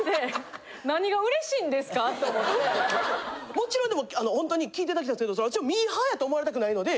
もちろんでもホントに聞いて頂きたいんですけど私もミーハーやと思われたくないので！